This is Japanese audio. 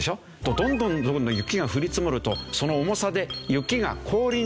どんどんどんどん雪が降り積もるとその重さで雪が氷になるわけですよ。